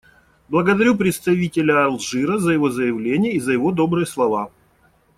Благодарю представителя Алжира за его заявление и за его добрые слова.